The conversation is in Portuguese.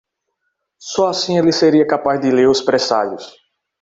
Só assim ele seria capaz de ler os presságios.